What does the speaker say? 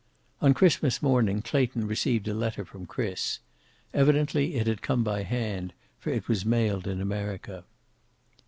On Christmas morning Clayton received a letter from Chris. Evidently it had come by hand, for it was mailed in America.